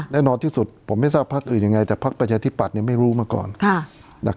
แน่นอนที่สุดผมไม่ทราบพักอื่นยังไงแต่พักประชาธิปัตย์ไม่รู้มาก่อน